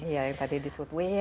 iya yang tadi disebut wehia kelai